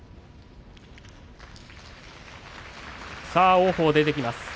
王鵬が出てきます。